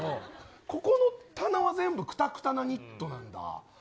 ここの棚は全部くたくたなニットなんだ。